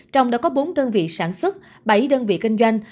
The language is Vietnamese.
trong đó có bốn đơn vị sản xuất bảy đơn vị kinh doanh